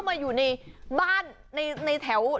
พี่พินโย